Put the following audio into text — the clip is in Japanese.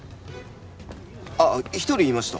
ああ１人いました。